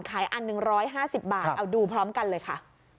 ขายอันหนึ่งร้อยห้าสิบบาทเอาดูพร้อมกันเลยค่ะ